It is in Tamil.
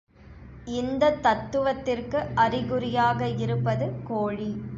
இந்தத் தத்துவத்திற்கு அறிகுறியாக இருப்பது கோழி.